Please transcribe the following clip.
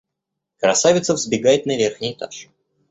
Красавица взбегает на верхний этаж.